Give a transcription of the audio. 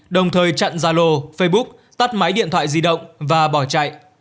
đồng thời chặn gia lô facebook tắt máy điện thoại di động và bỏ chạy